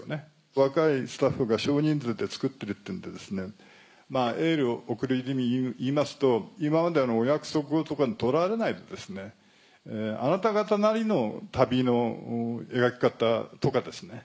若いスタッフが少人数で作ってるっていうのでエールを送る意味で言いますと今までのお約束事とかにとらわれないであなた方なりの旅の描き方とかですね。